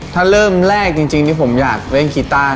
ถ้าเริ่มแรกจริงที่ผมอยากเล่นกีต้า